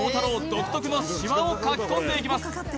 独特のシワを描き込んでいきます